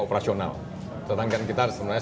operasional tantangan kita sebenarnya